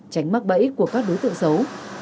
tránh mắc bẫy của các đối tượng xấu